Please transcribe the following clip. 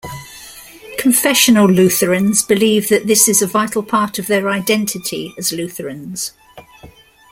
Confessional Lutherans believe that this is a vital part of their identity as Lutherans.